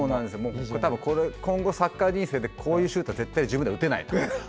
多分今後のサッカー人生でこういうシュートは絶対自分は打てないと思いました。